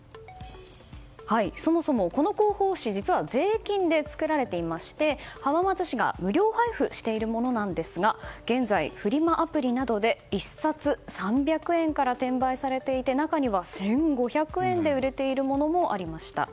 そもそも、この広報誌実は税金で作られていまして浜松市が無料配布しているものなんですが現在、フリマアプリなどで１冊３００円から転売されていて中には１５００円で売れているものもありました。